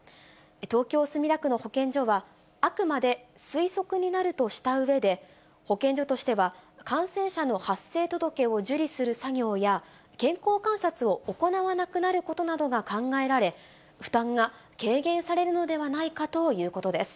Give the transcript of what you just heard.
東京・墨田区の保健所は、あくまで推測になるとしたうえで、保健所としては、感染者の発生届けを受理する作業や、健康観察を行わなくなることなどが考えられ、負担が軽減されるのではないかということです。